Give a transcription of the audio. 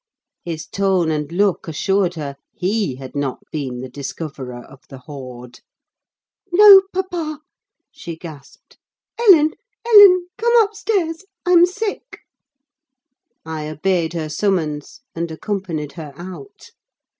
His tone and look assured her he had not been the discoverer of the hoard. "No, papa!" she gasped. "Ellen! Ellen! come upstairs—I'm sick!" I obeyed her summons, and accompanied her out.